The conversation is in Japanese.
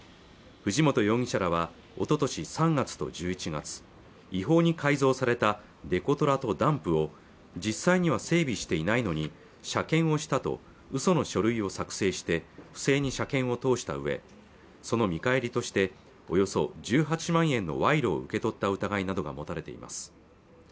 藤本容疑者らはおととし３月と１１月違法に改造されたデコトラとダンプを実際には整備していないのに車検をしたと嘘の書類を作成して不正に車検を通した上その見返りとしておよそ１８万円の賄賂を受け取った疑いなどが持たれています